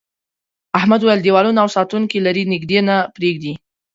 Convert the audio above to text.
احمد وویل دیوالونه او ساتونکي لري نږدې نه پرېږدي.